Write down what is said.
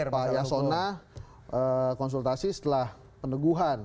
pak yasona konsultasi setelah peneguhan